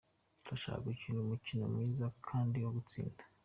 Turashaka gukina umukino mwiza kandi wo gutsinda.